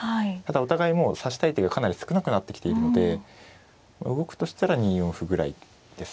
お互いもう指したい手がかなり少なくなってきているので動くとしたら２四歩ぐらいですね。